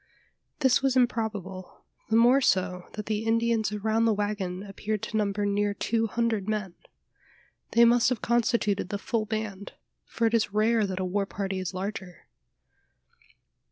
This was improbable: the more so, that the Indians around the waggon appeared to number near two hundred men. They must have constituted the full band: for it is rare that a war party is larger.